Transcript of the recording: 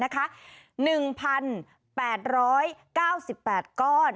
๑๘๙๘ก้อน